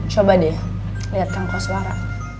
coba deh liat kang koswara